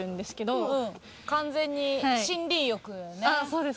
そうです